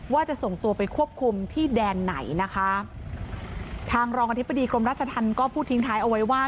ว่าจะส่งตัวไปควบคุมที่แดนไหนนะคะทางรองอธิบดีกรมราชธรรมก็พูดทิ้งท้ายเอาไว้ว่า